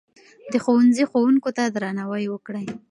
د ښوونځي ښوونکو ته درناوی وکړئ.